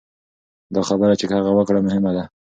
دا خبره چې هغه وکړه مهمه ده.